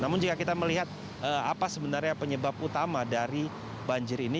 namun jika kita melihat apa sebenarnya penyebab utama dari banjir ini